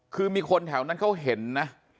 คือมีคนแถวนั้นเขาเห็นนะ